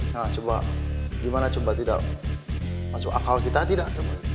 nah coba gimana coba tidak masuk akal kita tidak